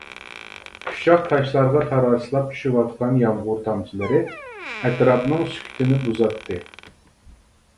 ئۇششاق تاشلارغا تاراسلاپ چۈشۈۋاتقان يامغۇر تامچىلىرى ئەتراپنىڭ سۈكۈتىنى بۇزاتتى.